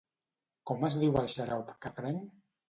Com es diu el xarop que prenc?